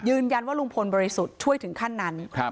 ลุงพลบริสุทธิ์ช่วยถึงขั้นนั้น